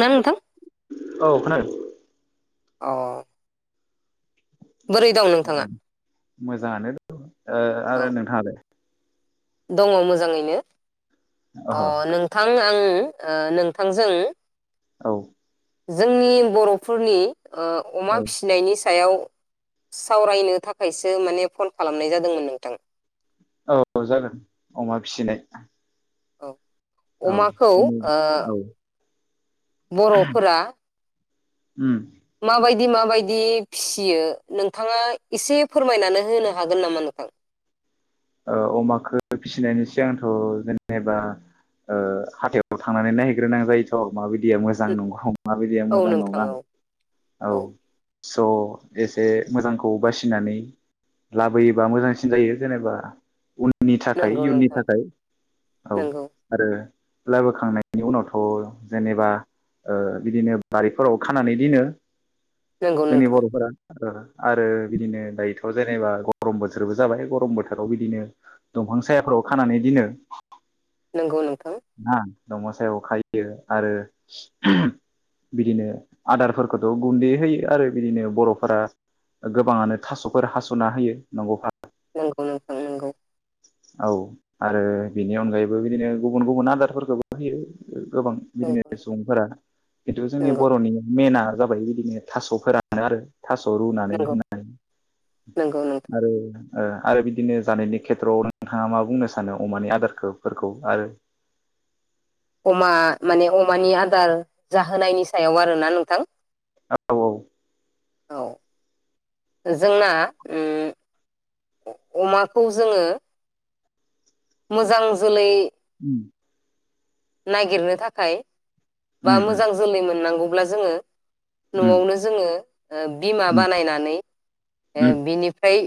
ना नोंथां औ खोनादों अ बोरै दं नोंथाङा? मोजाङानो दं। ओ औ आरो नोंथाङा लाय? दङ मोजाङैनो। ओहो अ नोंथां आं ओ नोंथांजों औ जोंनि बर'फोरनि ओ अमा औ फिसिनायनि स आयाव सावरायनो थाखायसो माने फन खालामनाय जादोंमोन नोंथां। औ जागोन अमा फिसिनाय। औ औ अमाखौ ओ जोंनि औ बर'फोरा उम माबायदि माबायदि फियो नोंथाङा एसे फोरमायनानै होनो हागोन नामा नोंथां? ओ अमाखो फिसिनायनि सिगांथ' जेनेबा ओ हाथायाव थांनानै नायहैग्रोनां जायोथ' माबायदिया मोजां नोंहाव माबायदिया औ मोजां नोंथां नङा औ औ स' एसे मोजांखौ बासिनानै लाबोयोबा मोजांसिन जायो जेनेबा नि थाखाय नंगौ इयुननि नोंथां थाखाय औ नंगौ आरो लाबोखांनायनि उनावथ' जेनेबा ओ बिदिनो बारिफोराव खानानै दिनो नंगौ जोंनि नोंथां बर'फोरा ओ आरो बिदिनो दायोथ' जेनेबा गरम बोथोरबो जाबाय गरम बोथोर आव बिदिनो दंफां सायहाफोराव खानानै दिनो नंगौ नों [unintelligible] दंग सायाव खायो आरो बिदिनो आदारफोरखौथ' गुन्दै होयो आरो बिदिनो बर'फोरा गोबाङानो थास'फोर हास'ना होयो नंगौफा? नंगौ नोंथां नंगौ। औ आरो बेनि अनगायैबो बिदिनो गुबुन गुबुन आदारफोरखौबो होयो गोबां बिदिनो नंगौ सुबुंफोरा जिथु जोंनि नंगौ बर'नि मेना जाबाय बिदिनो थास' फोरानो आरो। थास' रुनानै नंगौ होनाय नंगौ नोंथां आरो ओ आरो बिदिनो जानायनि खेथ्र'आव नोंथाङा मा बुंनो सानो अमानि आदारखो फोरखौ आरो? अमा माने अमानि आदार जाहोनायनि सायाव आरोना नोंथां? औ -औ औ जोंना उम अमाखौ जोङो मोजां जोलै उम नागिरनो थाखाय बा उम मोजां जोलै मोननांगौ अब्ला जोङो उम न'आवनो जोङो ओ बिमा उम बानायनानै ओ उम बिनिफ्राय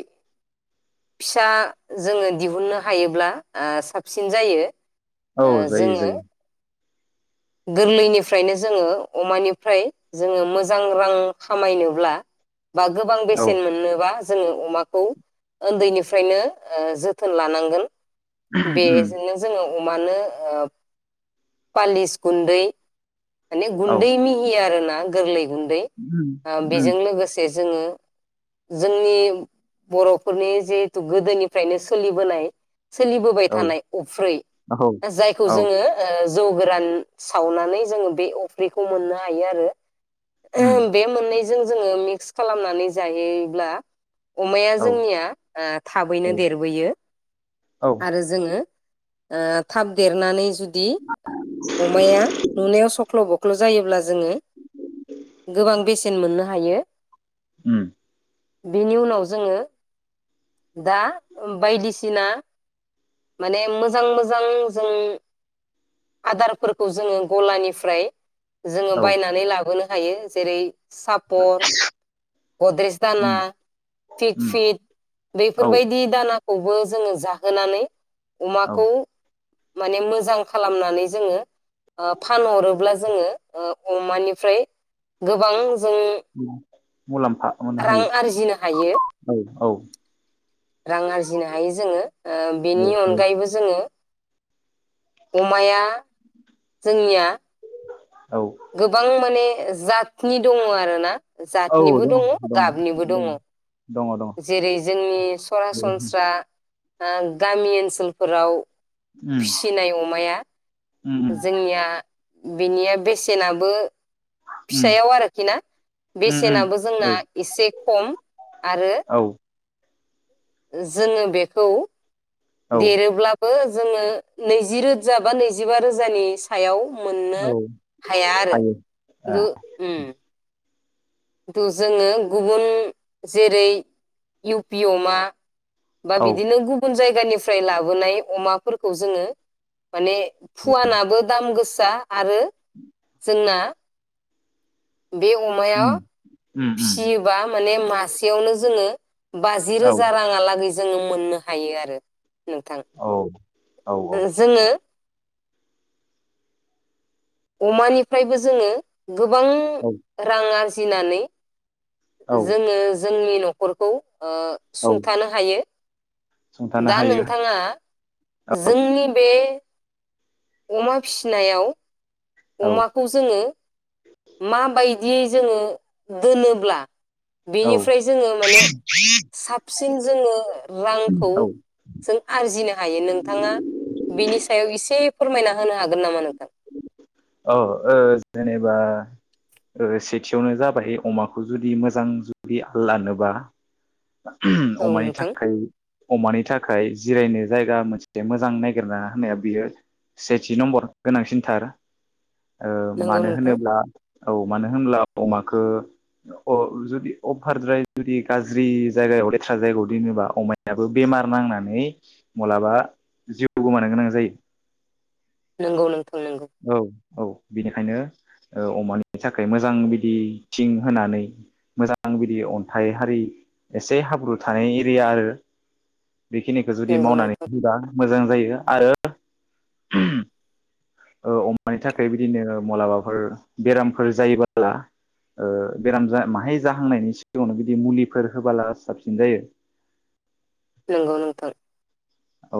फिसा जोङो दिहुननो हायोब्ला ओ साबसिन जायो। औ ओ जायो जोङो जायो गोरलैनिफ्रायनो जोङो अमानिफ्राय जोङो मोजां रां खामायनोब्ला बा गोबां बेसेन औ मोननोबा जोङो अमाखौ ओन्दैनिफ्रायनो ओ जोथोन लानांगोन। उम बेजोंनो जोङो अमानो ओ पालिस गुन्दै माने औ गुन्दै मिहि आरो ना गोरलै गुन्दै उम ओ उम बेजों लोगोसे जोङो जोंनि बर'फोरनि जिहेथु गोदोनिफ्रायनो सोलिबोनाय सोलिबोबाय औ थानाय अफ्रै औ जायखौ औ जोङो ओ जौ गोरान सावनानै जोङो बे अफ्रैखौ मोननो हायो आरो। उम ओ बे मोननै जों जोङो मिक्स खालामनानै जायोब्ला अमाया औ जोंनिया ओ थाबैनो औ देरबोयो औ आरो जोङो ओ थाब देरनानै जु दि या नुनायाव सख्ल' बख्ल' जायोब्ला जोङो गोबां बेसेन मोननो हायो। उम। बिनि उनाव जोङो दा बायदिसिना माने मोजां मोजां जों आदार फोरखौ जोङो गलानिफ्राय जोङो औ बायनानै लाबोनो हायो। जेरै सापर, गद्रेेज दाना, उम फिग उम फिट औ बेफोरबायदि दाना खौबो जोङो जाहोनानै औ अमाखौ माने मोजां खालामनानै जोङो ओ फानहरोब्ला जोङो ओ अमानिफ्राय गोबां जों मुलाम्फा मोननो रां हायो आरजिनो हायो। औ औ रां आरजिनो हायो जोङो ओ बेनि हायो अनगायैबो जोङो अमाया जोंनिया औ गोबां माने ओज जातनि दङ आरो ना। जातनिबो दङ गाबनिबो दङ दङ जेरै जोंनि दङ सरासनस्रा ओ गामि ओनसोलफोराव उम फिसिनाय अमाया उम जोंनिया बिनिया बेसे सेनाबो उम फिसायाव आरोखि ना उम उम बेसेनाबो जोंना औ एसे खम आरो औ जोङो बेखौ औ देरोब्ला बो जोंङो नैजि रोजा बा नैजिबा रोजानि सायाव मोननो औ हाया आरो हायो ए दु ओम खिथु जोंङो गुबुन जेरै इउ पि अमा बा औ बिदिनो गुबुन जाय गानिफ्राय लाबोनाय अमाफोरखौ जोंङो माने फुवानाबो दाम गो सा आरो जोंना बे अमाया उम उम उम फिसियोबा माने मासेयावनो जोंङो बाजि औ रोजा राङालागै जोंङो मोननो हायो आरो। नोंथां औ औ औ ओ जोंङो अमानिफ्रायबो जोंङो गोबां औ रां आर फिसिनानै औ जोंङो जोंनि न'खरखौ ओ औ सुंथानो हायो सुंथानो दा हायो नोंथाङा औ जोंनि बे अमा फिसिनायाव औ अमाखौ जोंङो माबायदियै जोंङो दोनोब्ला औ बेनिफ्राय जोंङो माने साबसिन जोंङो रांखौ औ जों आरजिनो हायो नोंथाङा बेनि सायाव एसे फोरमायना होनो हागोन नामा नोंथां। औ जेनेबा सेथियावनो जाबाय अमाखौ जुदि मोजां जुदि लानोबा औ अमानि नोंथां थाखाय अमानि थाखाय जिरायनो जायगा मोनसे मोजां नायगिरना होनाया बियो सेथि नम्बर गोनांसिन थार ओ नंगौ मानो नोंथां होनोब्ला औ मानो होनब्ला अमाखो अ जुदि अफारद्राय जुदि गा ज्रि जायगायाव लेथ्रा जायगायाव दोनोबा अमायाबो बेमार नांनानै मालाबा जिउ गोमानो गोनां जायो। नंगौ नों औ औ बिनिखायनो ओ अमानि थाखाय मोजां बिदि थिं होनानै मोजां बिदि अन्थाइ हारि एसे हाब्रु थानाय एरिया आरो बेखिनिखौ जुदि नंगौ मावनानै नोंथां होबा मोजां जायो आरो ओ अमानि थाखाय बिदिनो मलाबाफोर बेरामफोर जायोबोला ओ बेराम माहाय जाहांनायनि सिगाङावनो बिदि मुलिफोर होबोला साबसिन जायो। नोंगौ नोंथां। औ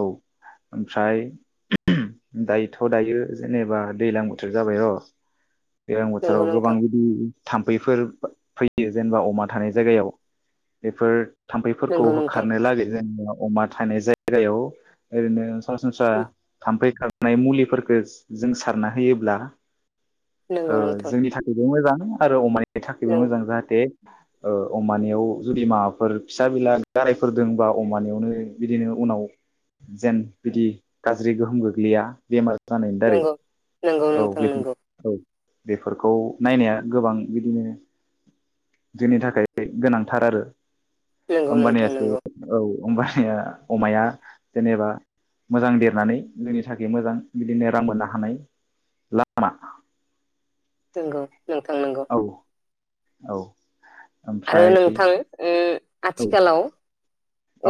ओमफ्राय दायोथ' दायो जेनेबा दैज्लां बोथोर जाबाय र' दैज्लां नंगौ बोथोराव गोबां नोंथां बिदि थाम्फैफोर फैयो जेनेबा अमा थानाय जायगायाव बेफोर थाम्फैफोरखौ नंगौ नोंथां होखारनो लागै जोंनियाव अमा थानाय जाय गायाव ओरैनो सरासनस्रा थाम्फै खार नाय मुलिफोरखौ जों सारना होयोब्ला औ नंगौ नोंथां जोंनि थाखायबो मोजां आरो अमानि बे थाखायबो नंगौ मोजां जाहाथे ओ अमानियाव जुदि माबाफोर फिसा बिला गारायफोर दंबा अमानियावनो बिदिनो उनाव जेन बिदि गाज्रि गोहोम गोग्लैया बेमार जानाय दारै नंगौ नंगौ औ नोंथां बे नंगौ औ। बेफोरखौ नायनाया गोबां जोंनि थाखाय गोनांथार आरो। नंगौ नोंथां होमबानियासो नंगौ औ। होमबानिया अमाया जेनेबा मोजां देरनानै जोंनि थाखाय मोजां बिदिनो रां मोननो हानाय लामा। नंगौ। नोंथां नंगौ। औ औ। आरो ओमफ्राय नोंथां उम औ आथिखालाव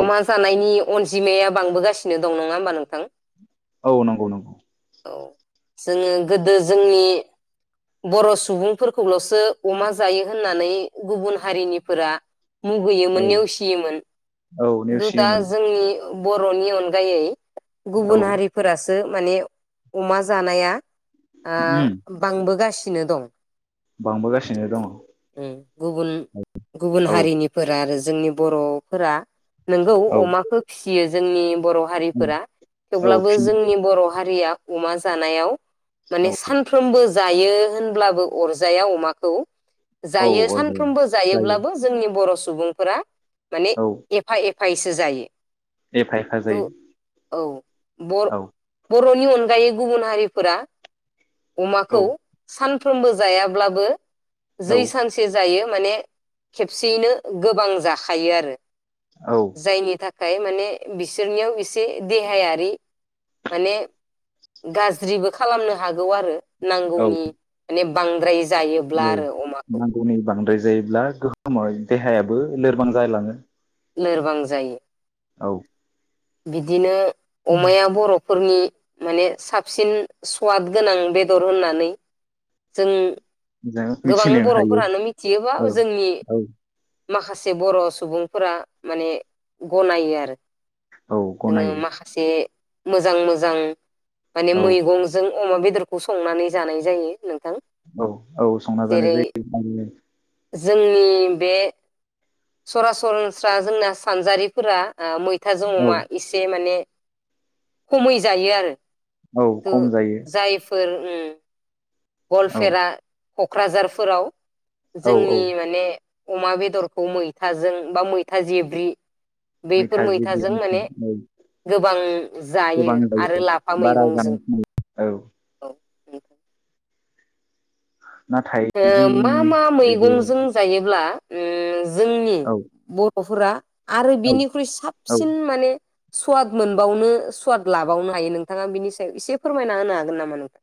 औ अमा जानाय नि अनजिमाया बांबोगासिनो दं नङा होमबा नोंथां? औ नंगौ नंगौ। औ जोङो गोदो जोंनि बर' सुबुंफोरखौल'सो अमा जायो होननानै गुबुन हारिनिफोरा औ मुगैयोमोन नेवसियोमोन। औ [unintelligible] दा नेवसियोमोन जोंनि बर'नि अनगायै औ गुबुन हारिफोरासो माने अमा जानाया उम ओ बांबोगासिनो नो दं बांबोगासिनो दङ गुबन गुबुन औ हारिनिफोरा आरो जोंनि बर'फोरा नोंगौ औ अमाखौ फिसियो जोंनि बर' हारिफोरा औ थेवब्लाबो फिन जोंनि बर' हारिया अमा जानायाव माने औ सानफ्रोमबो जायो होनब्लाबो अरजाया अमाखौ औ जायो अरजायो सानफ्रोमबो जायो जायोब्लाबो जोंनि बर' सुबुंफोरा माने औ एफा एफायैसो जायो एफा एफा थु जायो औ बर' औ बर'नि अनगायै गुबुन हारिफोरा अमाखौ औ सान फ्रोमबो जायाब्लाबो औ जै सानसे जायो माने खेबसेयैनो गोबां जाखायो आरो औ जायनि थाख थाखाय माने बिसोरनियाव एसे देहायारि माने गाज्रिबो खालामनो हागौ आरो औ नांगौनि [unintelligible] बांद्रायोज औ नांगौनि बांद्राय जायोब्ला गोहोमाव देहायाबो लोरबां जालाङो लोरबां जायो औ बिदिनो अमाया बर' फोरनि माने साबसिन सवाद गोनां बेदर होननानै जों जों गोबां मिथिनो हायो बर'फोरानो मिथियोबा औ जोंनि औ माखासे बर' सुबुंफोरा माने गनायो आरो औ जोङो गनायो माखासे मोजां मोजां माने औ मैगंजों अमा बेदरखौ संनानै जानाय जायो नोंथां। औ औ संना जानाय जेरै जायो। जोंनि बे सरासरनस्रा जोंना सानजारिफोरा ओ मैथाजों औ अमा एसे माने खमै जायो आरो। औ खम जायो। फोर उम औ गलफेरा क'क्राझारफोराव औ औ जोंनि माने अमा बेदरखौ मै थाजों बा मैथा जेब्रि बेफोर मैथा जिब्रै मैथाजों मैथा माने औ गोबां जायो गोबां आरो लाफा बारा जानाय मैगंजों खोना औ औ। नाथाय ओ जोंनि मा मा बे मैगंजों जायोब्ला ओ जोंनि औ बरफोरा आरो औ बिनिख्रुइ औ साबसिन माने स्वाद मोनबावनो स्वाद लाबावनो हायो नोंथाङा बिनि सायाव एसे फोरमायना होनो हागोन नामा नोंथां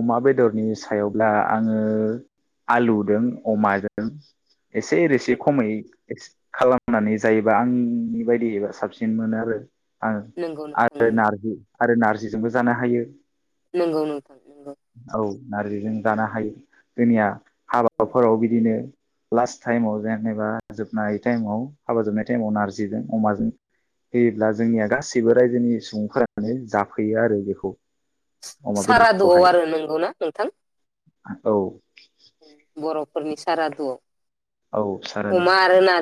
अमा बेदरनि सायावब्ला आङो आलुजों अमाजों एसे रोसि खमै एक्सप खालामनानै जायोबा आंनि बायदिबा साबसिन मोनो आरो आं नंगौ नोंथां आरो नंगौ नारजि आरो नारजिजोंबो जानो हायो। नंगौ नंगौ ओ औ नारजिजों जानो हायो जोंनिया हाबाफोराव बिदिनो लास्ट टाइमाव जेनेबा जोबनाय टाइमाव हाबा जोबनाय टाइमाव नारजिजों अमाजों होयोब्ला जोंनिया गासैबो रायजोनि सुबुंफोरानो जाफैयो आरो बेखौ। अमा बेद गोआव आरो नंगौना नोंथां? औ रफोरनि सारादुआव औ सारादु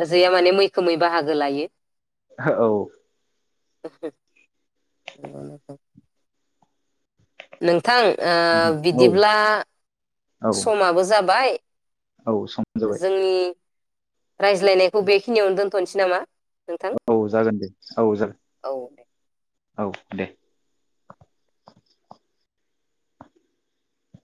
जाया माने मैखोमै बाहागो लायो ओ औ [unintelligible] नों थां ओ औ बिदिब्ला औ समाबो जाबाय औ सम जाबाय जोंनि रायज्लायनायखौ बेखिनियावनो दोनथ'नोसै नामा? नोंथां औ जागोन दे औ औ दे जागोन औ दे